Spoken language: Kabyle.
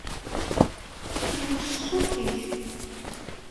Senqeṣ ṣṣut-ik.